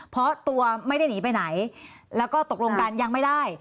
เพราะตัวไม่ได้หนีไปไหนแล้วก็ตกลงกันยังไม่ได้